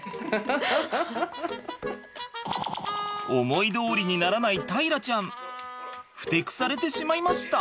思いどおりにならない大樂ちゃん。